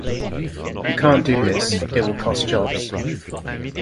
You can't do this, it will cost jobs.